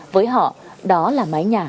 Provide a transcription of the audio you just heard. với họ đó là mái nhà